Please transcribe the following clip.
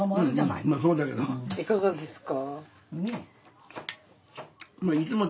いかがですか？